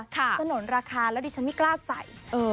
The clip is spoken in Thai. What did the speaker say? สนุนราคาแล้วดิฉันไม่กล้าใส่